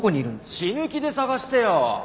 死ぬ気で探してよ。